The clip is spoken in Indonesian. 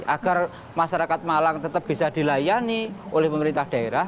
agar masyarakat malang tetap bisa dilayani oleh pemerintah daerah